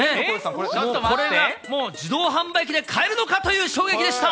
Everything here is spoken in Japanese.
これがもう、自動販売機で買えるのかという衝撃でした！